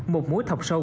một mối thọc sâu